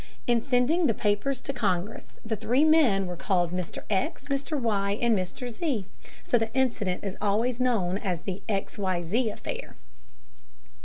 In sending the papers to Congress, the three men were called Mr. X., Mr. Y., and Mr. Z., so the incident is always known as the "X.Y.Z. Affair."